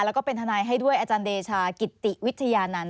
แล้วก็เป็นทนายให้ด้วยอาจารย์เดชากิติวิทยานันต